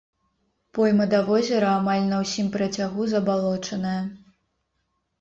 Пойма да возера амаль на ўсім працягу забалочаная.